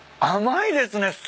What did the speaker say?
甘いですね。